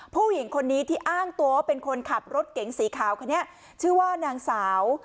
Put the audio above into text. ผู้หญิงคนนี้ที่อ้างตัวว่าเป็นคนขับรถเก๋งสีขาวคนนี้ชื่อว่านางสาว